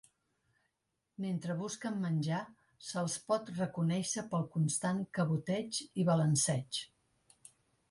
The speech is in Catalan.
Mentre busquen menjar, se'ls pot reconèixer pel constant caboteig i balanceig.